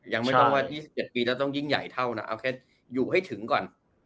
ยังไม่ต้องว่า๒๗ปีแล้วต้องยิ่งใหญ่เท่านะเอาแค่อยู่ให้ถึงก่อน